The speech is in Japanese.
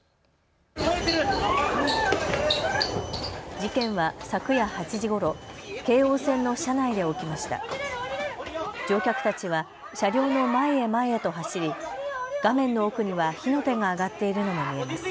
事件は昨夜８時ごろ、京王線の車内で起きました。